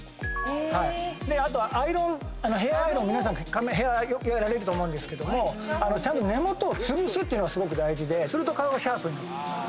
あとヘアアイロン皆さんやられると思うんですけどもちゃんと根元をつぶすっていうのがすごく大事ですると顔がシャープに。